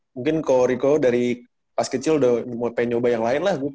mungkin kalau riko dari pas kecil udah mau pengen nyoba yang lain lah